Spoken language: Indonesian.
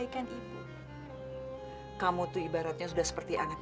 haji abu bangar priyok